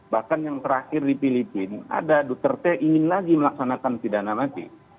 bahkan yang terakhir di filipina ada duterte ingin lagi melaksanakan pidana mati